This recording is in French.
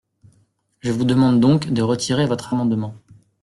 Je vous demande donc de retirer votre amendement.